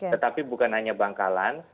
tetapi bukan hanya bangkalan